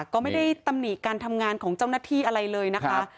ก็ไม่ได้ตำหนิการทำงานของเจ้าหน้าที่อะไรเลยนะคะ